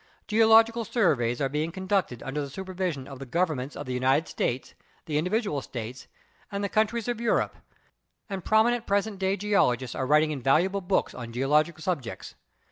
Geological surveys are being conducted under the supervision of the governments of the United States, the individual States and the countries of Europe, and prom inent present day geologists are writing invaluable books on geological subjects.